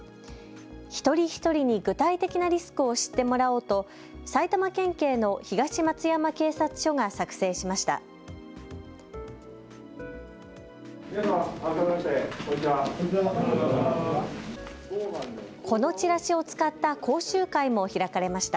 一人一人に具体的なリスクを知ってもらおうと埼玉県警の東松山警察署が作成しました。